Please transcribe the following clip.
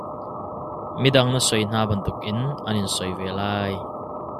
Midang na sawi hna bantukin an in sawi ve lai.